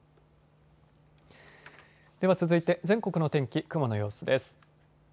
では続いて全国の天気、雲の様子です。